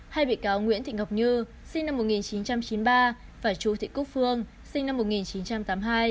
hai bị cáo nguyễn thị ngọc như sinh năm một nghìn chín trăm chín mươi ba và chú thị quốc phương sinh năm một nghìn chín trăm tám mươi hai